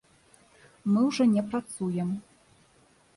Мы ўжо не працуем.